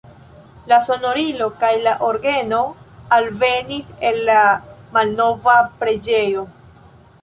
La sonorilo kaj la orgeno alvenis el la malnova preĝejo.